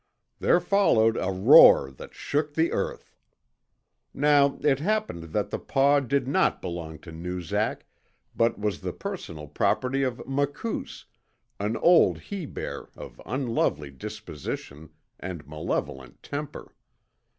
There followed a roar that shook the earth. Now it happened that the paw did not belong to Noozak, but was the personal property of Makoos, an old he bear of unlovely disposition and malevolent temper.